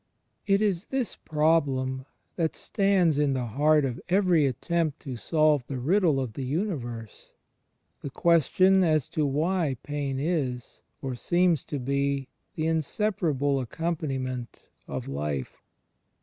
It is this problem that stands in the heart of every attempt to solve the riddle of the Universe — the ques tion as to why pain is, or seems to be, the inseparable accompaniment of life.